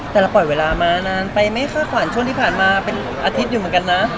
แต่เราปล่อยเวลามานานไปไม่ค่าขวัญช่วงที่ผ่านมาเป็นอาทิตย์อยู่เหมือนกันนะ